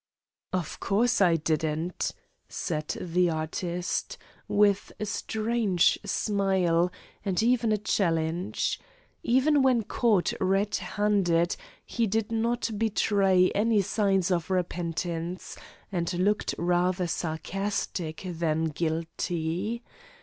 "Of course I didn't," said the artist, with a strange smile, and even a challenge. Even when caught red handed, he did not betray any signs of repentance, and looked rather sarcastic than guilty.